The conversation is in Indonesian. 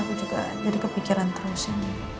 aku juga jadi kepikiran terus ini